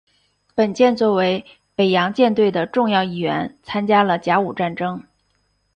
本舰作为北洋舰队的重要一员参加了甲午战争。